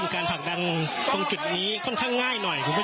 การผลักดันตรงนี้ค่อยง่าย